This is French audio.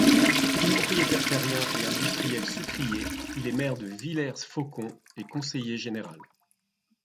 Propriétaire terrien et industriel sucrier, il est maire de Villers-Faucon et conseiller général.